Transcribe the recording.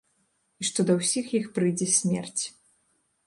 І што да ўсіх іх прыйдзе смерць.